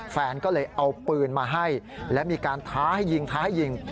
แฟนก็เลยเอาปืนมาให้และมีการท้าให้ยิงท้าให้ยิง